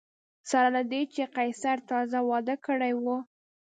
سره له دې چې قیصر تازه واده کړی و